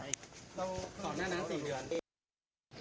เราต่อหน้านั้น๔เดือน